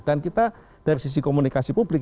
dan kita dari sisi komunikasi publik